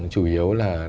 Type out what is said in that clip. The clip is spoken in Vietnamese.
chủ yếu là